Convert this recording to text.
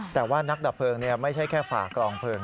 แต่ว่านักดับเพลิงไม่ใช่แค่ฝ่ากลองเพลิง